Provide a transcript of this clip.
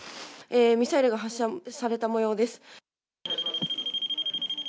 ミサイルが発射されたもようです。